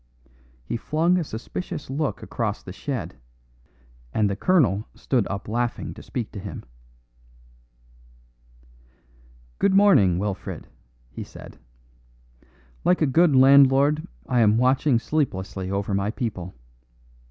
He flung a suspicious look across the shed, and the colonel stood up laughing to speak to him. "Good morning, Wilfred," he said. "Like a good landlord I am watching sleeplessly over my people.